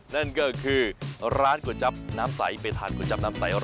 นั่นก็คือร้านก๋วยจับน้ำใสไปทานก๋วจับน้ำใส